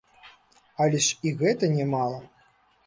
Але ж і гэта не мала.